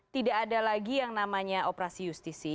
tidak ada lagi yang namanya operasi justisi